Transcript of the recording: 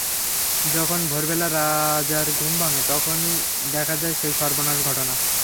যখন ভোরবেলা রাজার ঘুম ভাঙে, তখনি দেখা যায় সেই সর্বনাশা ঘটনা।